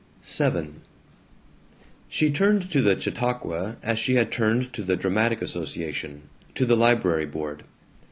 VII She turned to the Chautauqua as she had turned to the dramatic association, to the library board.